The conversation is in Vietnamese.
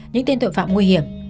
những tên tội phạm nguy hiểm